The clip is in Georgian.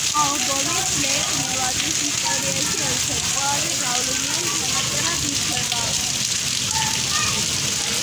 ალბომი ბლეკ-მეტალის ისტორიაში ერთ-ერთ ყველაზე გავლენიან ჩანაწერად ითვლება.